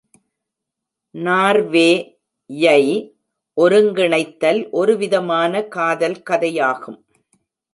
நார்வே-யை ஒருங்கிணைத்தல் ஒருவிதமான காதல் கதையாகும்.